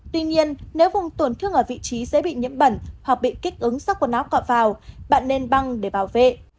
tuy nhiên nếu vùng tổn thương ở vị trí dễ bị nhiễm bẩn hoặc bị kích ứng sau quần áo cọ vào bạn nên băng để bảo vệ